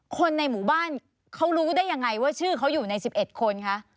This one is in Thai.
คนในหมู่บ้านเขารู้ได้ยังไงว่าชื่อเขาอยู่ใน๑๑คนคะ